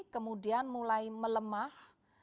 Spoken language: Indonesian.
kemudian mulai melemah